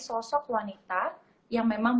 sosok wanita yang memang